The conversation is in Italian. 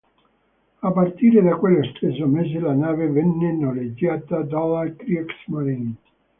A partire da quello stesso mese la nave venne noleggiata dalla Kriegsmarine.